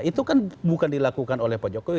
itu kan bukan dilakukan oleh pak jokowi